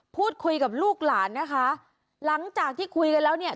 พูดคุยกับลูกหลานนะคะหลังจากที่คุยกันแล้วเนี่ย